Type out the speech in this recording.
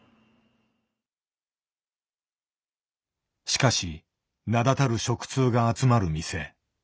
しかし名だたる食通が集まる店。